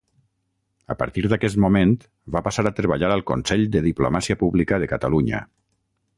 A partir d'aquest moment, va passar a treballar al Consell de Diplomàcia Pública de Catalunya.